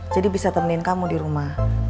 jadi bisa temenin kamu di rumah